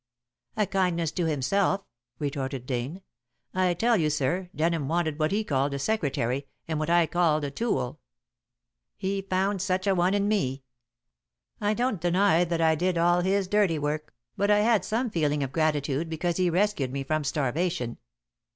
"A kindness to himself," retorted Dane. "I tell you, sir, Denham wanted what he called a secretary and what I called a tool. He found such a one in me. I don't deny that I did all his dirty work, but I had some feeling of gratitude because he rescued me from starvation."